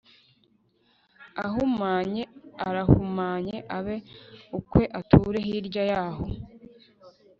ahumanye arahumanye abe ukwe ature hirya y aho